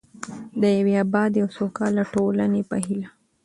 د یوې ابادې او سوکاله ټولنې په هیله.